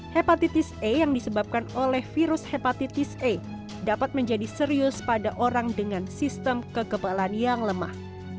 hepatitis e yang disebabkan oleh virus hepatitis e dapat menjadi serius pada orang dengan sistem kekebalan yang lemah